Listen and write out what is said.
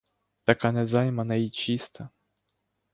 Така незаймана й чиста.